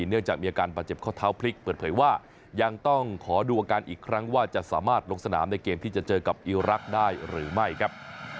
เนื่องจากมีอาการบาดเจ็บข้อเท้าพลิกเปิดเผยว่ายังต้องขอดูอาการอีกครั้งว่าจะสามารถลงสนามในเกมที่จะเจอกับอิรักษ์ได้หรือไม่ครับ